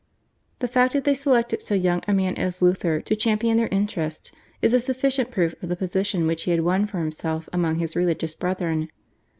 The fact that they selected so young a man as Luther to champion their interests is a sufficient proof of the position which he had won for himself amongst his religious brethren.